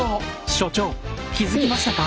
所長気付きましたか？